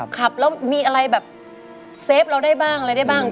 ขับแล้วมีอะไรแบบเซฟเราได้บ้างอะไรได้บ้าง